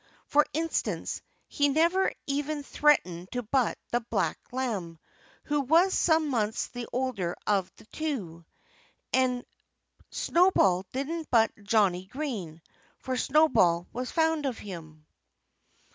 For instance, he never even threatened to butt the black lamb, who was some months the older of the two. And Snowball didn't butt Johnnie Green; for Snowball was fond of him.